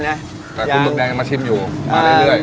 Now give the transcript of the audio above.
แต่คุณมดแดงยังมาชิมอยู่มาเรื่อย